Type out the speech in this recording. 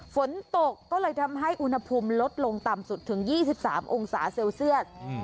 ฝนตกก็เลยทำให้อุณหภูมิลดลงต่ำสุดถึง๒๓องศาเซลเซียส